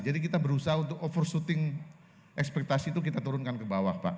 jadi kita berusaha untuk over shooting ekspektasi itu kita turunkan ke bawah pak